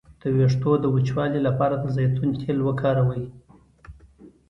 د ویښتو د وچوالي لپاره د زیتون تېل وکاروئ